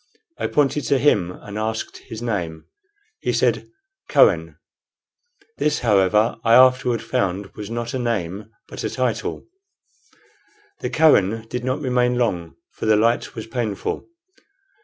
I pointed to him and asked his name. He said, "Kohen." This, however, I afterward found was not a name, but a title. The "Kohen" did not remain long, for the light was painful.